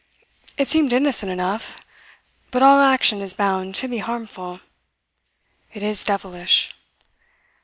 It seemed innocent enough, but all action is bound to be harmful. It is devilish.